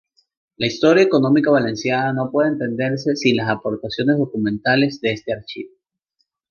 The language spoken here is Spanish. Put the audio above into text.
La historia económica valenciana no puede entenderse sin las aportaciones documentales de este archivo.